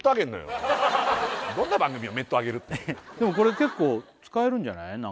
どんな番組よメットあげるってでもこれ結構使えるんじゃない？